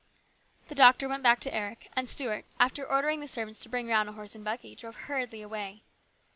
The doctor went back to Eric, and Stuart, after ordering the servants to bring round a horse and buggy, drove hurriedly away.